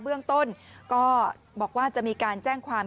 เบื้องต้นก็บอกว่าจะมีการแจ้งความ